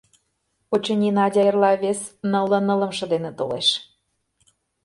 Очыни, Надя эрла вес нылле нылымше дене толеш.